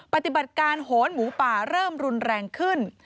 ปฏิบัติการโหนหมูป่าเริ่มรุนแรงขึ้น